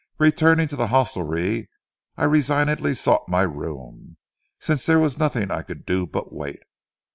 Returning to the hostelry, I resignedly sought my room, since there was nothing I could do but wait.